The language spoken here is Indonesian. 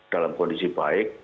dalam kondisi baik